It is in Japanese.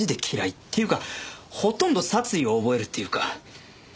っていうかほとんど殺意を覚えるっていうか。